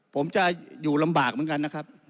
ผมจะอยู่ลำบากเหมือนกันนะครับ